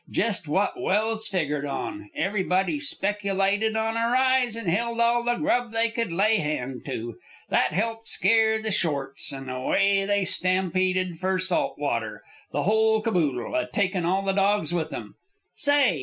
Jest what Welse figgered on, everybody speculated on a rise and held all the grub they could lay hand to. That helped scare the shorts, and away they stampeded fer Salt Water, the whole caboodle, a takin' all the dogs with 'em. Say!"